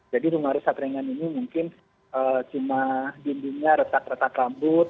jadi rumah rusak ringan ini mungkin cuma dindingnya retak retak rambut